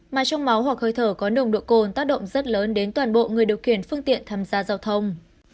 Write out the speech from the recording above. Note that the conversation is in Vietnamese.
mà trong máu hoặc hơi thở có nồng độ cồn tác động rất lớn đến toàn bộ người điều khiển phương tiện tham gia giao thông